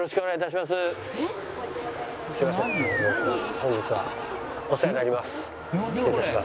本日はお世話になります。